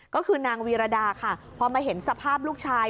ก็คือนางวีรดาค่ะพอมาเห็นสภาพลูกชาย